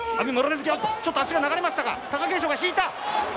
突きちょっと足が流れましたが貴景勝が引いた！